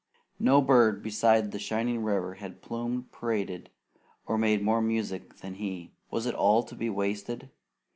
No bird beside the shining river had plumed, paraded, or made more music than he. Was it all to be wasted?